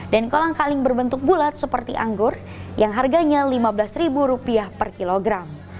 dan kolang kaling berbentuk bulat seperti anggur yang harganya rp lima belas per kilogram